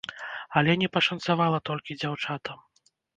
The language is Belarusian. Але не пашанцавала толькі дзяўчатам.